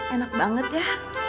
enak banget ya